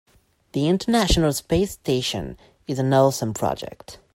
The international space station is an awesome project.